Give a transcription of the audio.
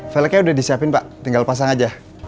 feleknya udah disiapin pak tinggal pasang aja